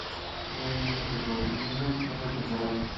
Mirren esa temporada.